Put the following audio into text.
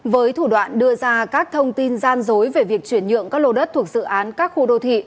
với thủ đoạn đưa ra các thông tin gian dối về việc chuyển nhượng các lô đất thuộc dự án các khu đô thị